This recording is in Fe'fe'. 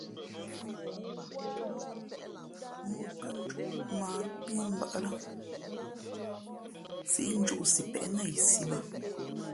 Mōō kα̌ njūʼ mᾱ ā pí mbᾱʼ ā lά sǐʼ njūʼ sipěʼ nά yi sī bᾱ.